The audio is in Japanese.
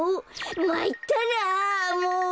まいったなもう。